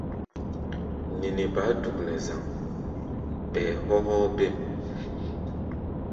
Nini baá duk nɛ zaŋ, ɓɛɛ hɔ́ hɔ́ɔ́-bêm.